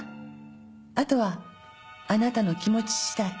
あとはあなたの気持ち次第。